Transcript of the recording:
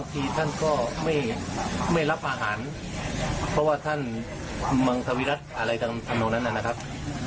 เพราะว่าท่านมังสวิรัติอะไรทางถนนั้นนะครับ